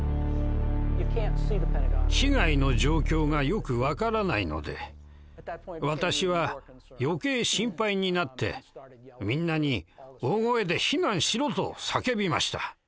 被害の状況がよく分からないので私は余計心配になってみんなに大声で「避難しろ！」と叫びました。